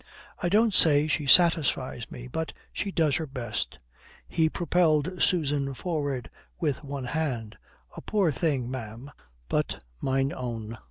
I don't say she satisfies me, but she does her best." He propelled Susan forward with his one hand. "'A poor thing, ma'am, but mine own.'"